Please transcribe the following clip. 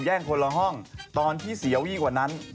คนละห้องตอนที่เสียวิ่งกว่านั้น